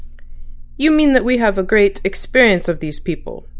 "You mean that we have a great experience of these people.